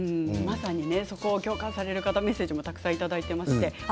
そこを共感される方のメッセージもたくさんいただいています。